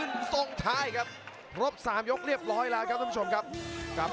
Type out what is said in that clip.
โหยกแรกถึงแม้ว่าจะได้มาสองนับครับ